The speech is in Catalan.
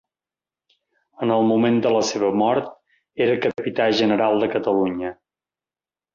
En el moment de la seva mort era capità general de Catalunya.